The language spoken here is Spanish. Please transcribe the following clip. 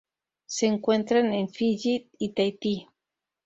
Se encuentra en Fiyi y Tahití.